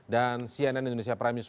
dan cnn indonesia prime news